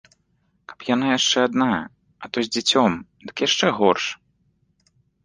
Каб яна яшчэ адна, а то з дзіцем, дык яшчэ горш.